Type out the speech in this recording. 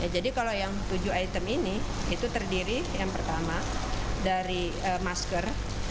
jadi kalau yang tujuh item ini itu terdiri yang pertama dari masker